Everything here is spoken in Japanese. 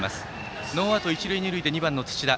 ノーアウト、一塁二塁で土田。